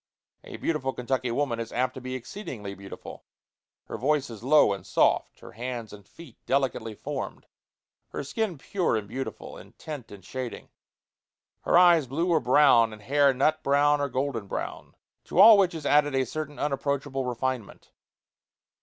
A beautiful Kentucky woman is apt to be exceedingly beautiful. Her voice is low and soft; her hands and feet delicately formed; her skin pure and beautiful in tint and shading; her eyes blue or brown, and hair nut brown or golden brown; to all which is added a certain unapproachable refinement.